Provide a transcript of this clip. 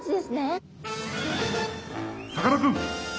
さかなクン。